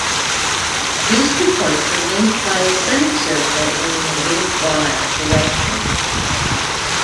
These two points are linked by a semicircle in the negative Y direction.